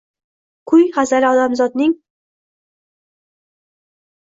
Kuy, g’azali odamzodning